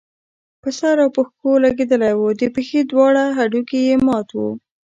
په سر او پښو لګېدلی وو، د پښې دواړه هډوکي يې مات وو